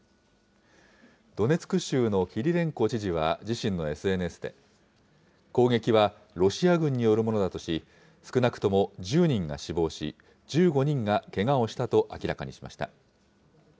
ドネツク州のキリレンコ知事は自身のＳＮＳで、攻撃はロシア軍によるものだとし、少なくとも１０人が死亡し、１５人がけがをしたと明らかにしました。